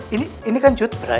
ini ini kan jute ray